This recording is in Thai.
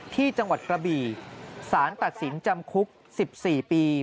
ที่จังหวัดกระบี่สารตัดสินจำคุก๑๔ปี